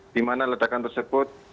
di mana ledakan tersebut